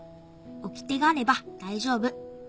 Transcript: おきてがあれば大丈夫。